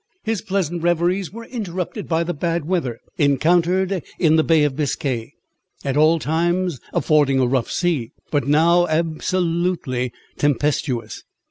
His pleasant reveries were interrupted by the bad weather encountered in the Bay of Biscay, at all times affording a rough sea, but now absolutely tempestuous.